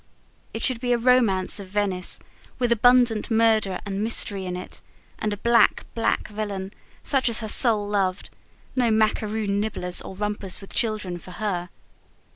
It should be a romance of Venice, with abundant murder and mystery in it, and a black, black villain, such as her soul loved no macaroon nibblers or rompers with children for her!